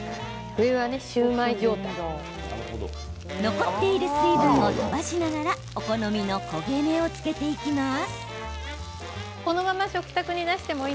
残っている水分を飛ばしながらお好みの焦げ目をつけていきます。